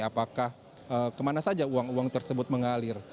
apakah kemana saja uang uang tersebut mengalir